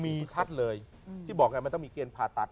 มีชัดเลยที่บอกไงมันต้องมีเกณฑ์ผ่าตัด